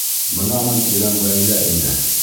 Бынамын тигән ғаилә... ине.